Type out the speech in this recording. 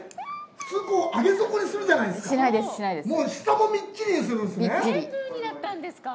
普通上げ底にするじゃないですか。